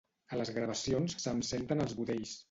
A les gravacions se'm senten els budells